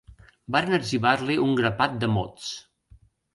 Varen etzibar-li un grapat de mots